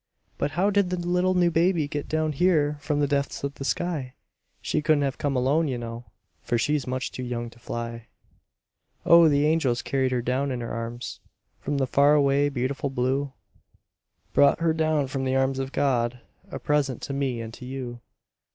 But how did the little new baby get Down here from the depths of the sky? She couldn't have come alone, you know, For she's much too young to fly. Oh! the angels carried her down in their arms From the far away, beautiful blue; Brought her down from the arms of God, A present to me and to you.